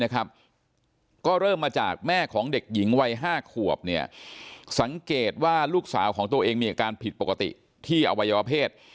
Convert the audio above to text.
ก็เริ่มมาจากแม่ของเด็กหญิงวัย๕ขวบสังเกตว่าลูกสาวของตัวเองมีอาการผิดปกติที่อวัยวเพศ